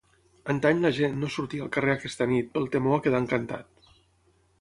Antany la gent no sortia al carrer aquesta nit pel temor a quedar encantat.